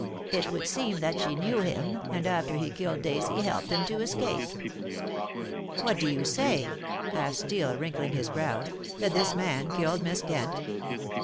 It would seem that she knew him, and after he killed Daisy helped him to escape." "What do you say," asked Steel, wrinkling his brows, "that this man killed Miss Kent?"